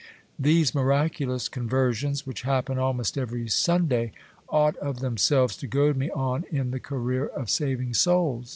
These miraculous conversions, which happen almost every Sunday, ought of themselves to goad me on in the career of saving souls.